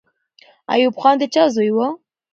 ایوب خان د چا زوی وو؟